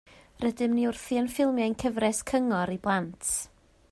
Rydym wrthi yn ffilmio ein cyfres cyngor i blant